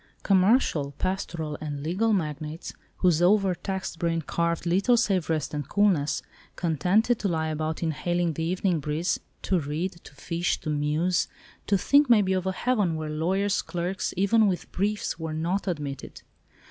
Commercial, pastoral and legal magnates, whose over taxed brain craved little save rest and coolness—contented to lie about inhaling the evening breeze—to read, to fish, to muse, to think maybe, of a heaven, where lawyers' clerks, even with briefs, were not admitted.